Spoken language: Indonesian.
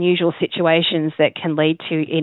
terutama di daerah pedesaan